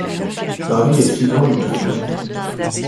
Paris est si loin du Dauphiné !